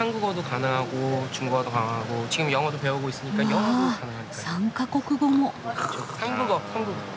わあ３か国語も！